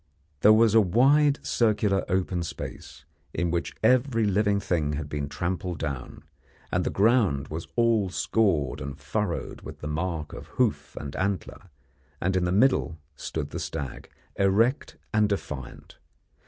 There was a wide circular open space, in which every living thing had been trampled down, and the ground was all scored and furrowed with the mark of hoof and antler; and in the middle stood the stag, erect and defiant.